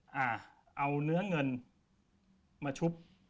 ก็คือเอาเนื้อเงินมาชุบ